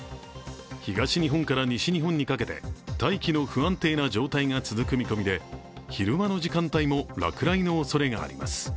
東日本から西日本にかけて大気の不安定な状態が続く見込みで昼間の時間帯も落雷のおそれがあります。